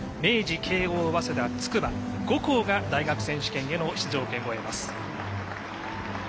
明治、慶応、早稲田筑波、５校が大学選手権への出場を決めています。